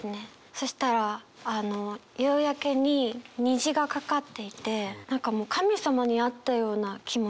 そしたら夕焼けに虹が架かっていて何かもう神様に会ったような気持ちがして。